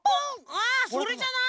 あそれじゃない？